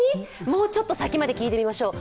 もうちょっと先まで聞いてみましょう。